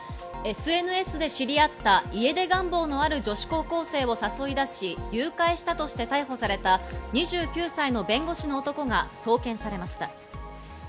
ＳＮＳで知り合った家出願望のある女子高校生を誘い出し、誘拐したとして逮捕された２９歳の弁護士の男が送検されました。